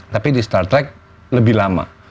tapi di star trek lebih lama